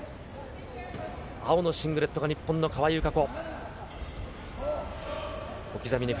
青のシングレットが日本の川井梨紗子。